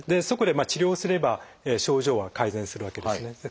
そこで治療すれば症状は改善するわけですね。